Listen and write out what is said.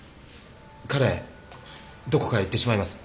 彼どこかへ行ってしまいます。